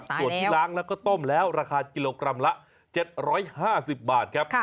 ส่วนที่ล้างแล้วก็ต้มแล้วราคากิโลกรัมละ๗๕๐บาทครับ